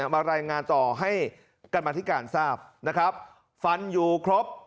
มารายงานต่อให้กรรมธิการทราบนะครับฟันอยู่ครบ